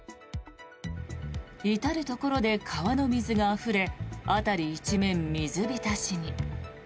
至るところで川の水があふれ辺り一面水浸しに。